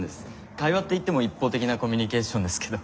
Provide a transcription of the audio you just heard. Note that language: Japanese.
会話って言っても一方的なコミュニケーションですけど。